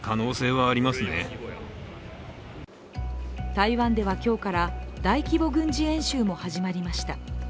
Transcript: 台湾では今日から大規模軍事演習も始まりました。